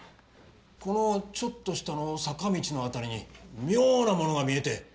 このちょっと下の坂道の辺りに妙なものが見えて。